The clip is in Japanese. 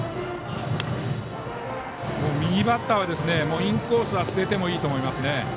右バッターはインコースは捨ててもいいと思います。